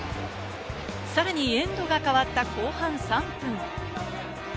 さらにエンドがかわった後半３分。